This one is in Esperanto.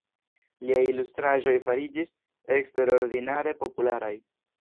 Liaj ilustraĵoj fariĝis eksterordinare popularaj.